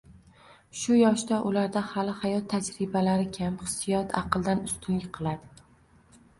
Shu yoshda ularda hali hayot tajribalari kam, hissiyot aqldan ustunlik qiladi.